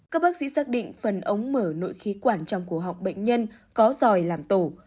các bác sĩ xác định phần ống mở nội khí quản trong cổ học bệnh nhân có giỏi làm tổ